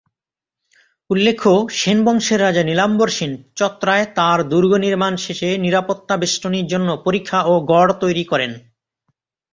উল্লেখ্য, সেন বংশের রাজা নীলাম্বর সেন চতরায় তার দুর্গ নির্মাণ শেষে নিরাপত্তা বেষ্টনীর জন্য পরিখা ও গড় তৈরি করেন।